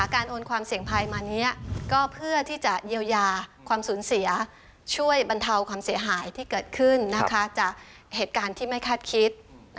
โอนความเสี่ยงภัยมานี้ก็เพื่อที่จะเยียวยาความสูญเสียช่วยบรรเทาความเสียหายที่เกิดขึ้นจากเหตุการณ์ที่ไม่คาดคิด